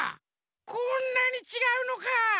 こんなにちがうのか。